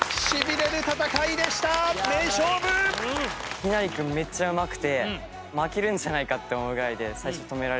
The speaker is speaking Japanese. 陽成君めっちゃうまくて負けるんじゃないかって思うぐらいで最初止められて。